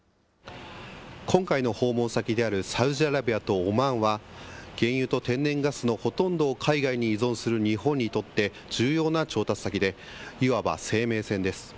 今回の訪問先である、サウジアラビアとオマーンは、原油と天然ガスのほとんどを海外に依存する日本にとって、重要な調達先で、いわば生命線です。